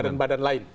ada badan badan lain